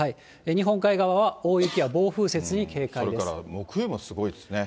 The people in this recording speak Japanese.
日本海側は大雪や暴風雪に警戒です。